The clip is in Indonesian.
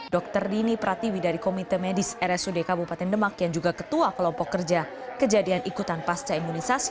dr dini pratiwi dari komite medis rsud kabupaten demak yang juga ketua kelompok kerja kejadian ikutan pasca imunisasi